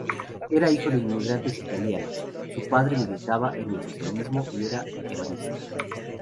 Era hijo de inmigrantes italianos, su padre militaba en el socialismo y era ebanista.